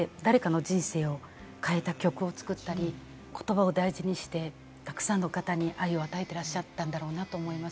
そうやって誰かの人生を変えた曲を作ったり、言葉を大事にして、たくさんの方に愛を与えていらっしゃったんだろうなと思います。